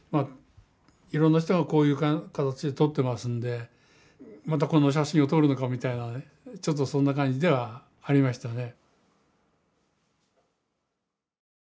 いろんな人がこういう形で撮ってますのでまたこの写真を撮るのかみたいなねちょっとそんな感じではありましたね。